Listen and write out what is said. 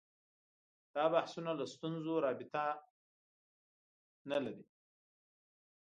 دا بحثونه له ستونزو رابطه نه لري